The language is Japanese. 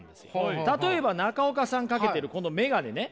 例えば中岡さんかけているこのメガネね。